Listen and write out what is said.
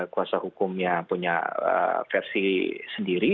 kuasa hukumnya punya versi sendiri